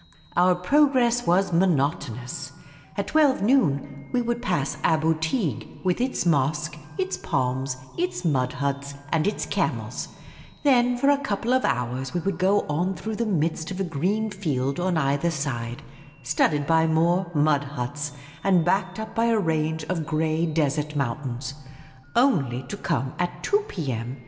Our progress was monotonous. At twelve, noon, we would pass Aboo Teeg, with its mosque, its palms, its mud huts, and its camels ; then for a couple of hours we would go on through the midst of a green field on either side, studded by more mud huts, and backed up by a range of grey desert mountains ; only to come at 2 p.m.